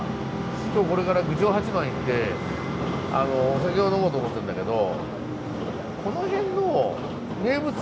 今日これから郡上八幡行ってお酒を呑もうと思ってるんだけど。